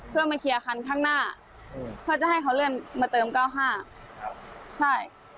เพื่อมาเคลียร์คันข้างหน้าเพื่อจะให้เขาเลื่อนมาเติม๙๕ใช่